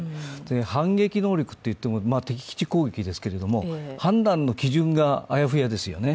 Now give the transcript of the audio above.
反撃能力といっても敵基地攻撃ですけれども、判断の基準があやふやですよね。